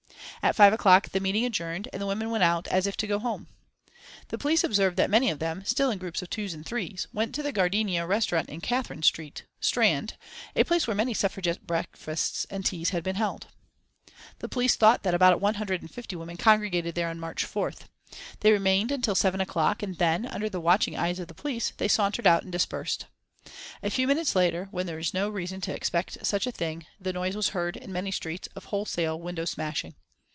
At five o'clock the meeting adjourned and the women went out, as if to go home. The police observed that many of them, still in groups of twos and threes, went to the Gardenia restaurant in Catherine Street, Strand, a place where many Suffragette breakfasts and teas had been held. The police thought that about one hundred and fifty women congregated there on March 4th. They remained until seven o'clock, and then, under the watching eyes of the police, they sauntered out and dispersed. A few minutes later, when there was no reason to expect such a thing, the noise was heard, in many streets, of wholesale window smashing.